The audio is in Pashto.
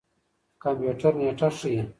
کمپيوټر نېټه ښيي.